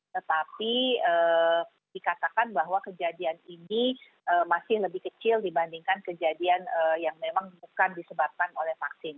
tetapi dikatakan bahwa kejadian ini masih lebih kecil dibandingkan kejadian yang memang bukan disebabkan oleh vaksin